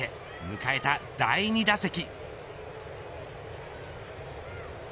迎えた第２打席。